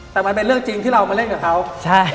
แต่มันเป็นเรื่องจริงที่เรามาเล่นกับเขาใช่